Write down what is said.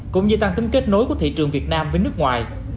cũng như tăng tính kết nối của thị trường việt nam với nước ngoài